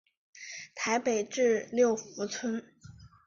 台北至六福村。